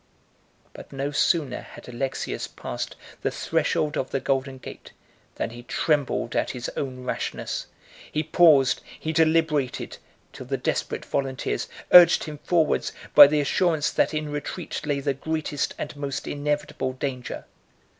61 But no sooner had Alexius passed the threshold of the golden gate, than he trembled at his own rashness; he paused, he deliberated; till the desperate volunteers urged him forwards, by the assurance that in retreat lay the greatest and most inevitable danger.